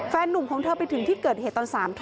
นุ่มของเธอไปถึงที่เกิดเหตุตอน๓ทุ่ม